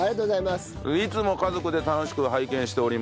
いつも家族で楽しく拝見しております。